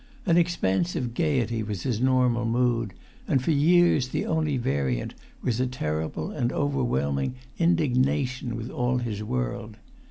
An expansive gaiety was his normal mood, and for years the only variant was a terrible and overwhelming indignation with all his world.